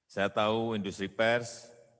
saya tahu industri pers